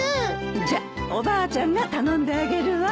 じゃおばあちゃんが頼んであげるわ。